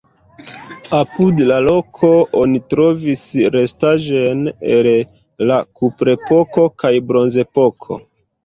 Apud la loko oni trovis restaĵojn el la kuprepoko kaj bronzepoko.